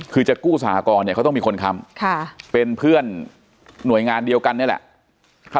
คือจะกู้สหกรณ์เนี่ยเขาต้องมีคนค้ำเป็นเพื่อนหน่วยงานเดียวกันนี่แหละ